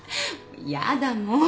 やだもう。